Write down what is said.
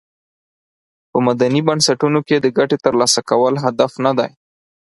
په مدني بنسټونو کې د ګټې تر لاسه کول هدف ندی.